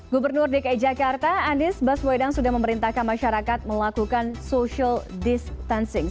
gubernur dki jakarta anies baswedan sudah memerintahkan masyarakat melakukan social distancing